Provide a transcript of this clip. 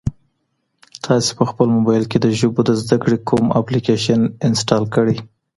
تاسي په خپل موبایل کي د ژبو د زده کړې کوم اپلیکیشن انسټال کړی؟